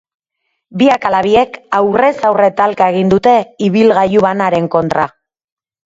Biak ala biek aurrez aurre talka egin dute ibilgailu banaren kontra.